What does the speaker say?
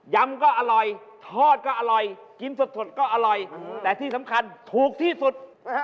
ำก็อร่อยทอดก็อร่อยกินสดก็อร่อยแต่ที่สำคัญถูกที่สุด